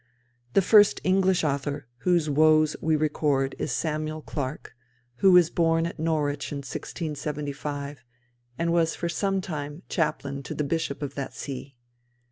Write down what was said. The first English author whose woes we record is Samuel Clarke, who was born at Norwich in 1675, and was for some time chaplain to the bishop of that see.